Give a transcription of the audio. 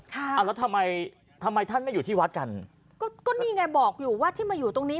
อ่าแล้วทำไมทำไมท่านไม่อยู่ที่วัดกันก็ก็นี่ไงบอกอยู่ว่าที่มาอยู่ตรงนี้